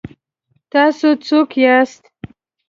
تاسو څوک یاست؟